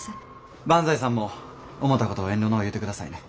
万歳さんも思たこと遠慮のう言うてくださいね。